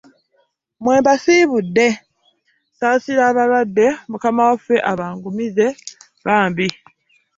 Mmwe mbasiibudde nsaasira abalwadde, mukama waffe abangumize bambi.